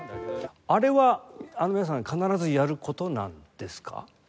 あれは皆さん必ずやる事なんですか？